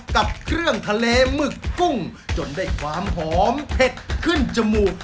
กับเครื่องทะเลหมึกกุ้งจนได้ความหอมเผ็ดขึ้นจมูก